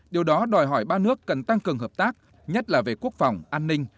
điều đó đòi hỏi ba nước cần tăng cường hợp tác nhất là về quốc phòng an ninh